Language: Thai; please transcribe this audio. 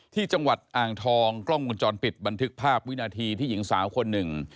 ที่จังหวัดอ่างทองกล้องวงจรปิดบันทึกภาพวินาทีที่หญิงสาวคนหนึ่ง